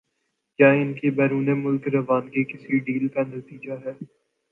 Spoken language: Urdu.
کیا ان کی بیرون ملک روانگی کسی ڈیل کا نتیجہ ہے؟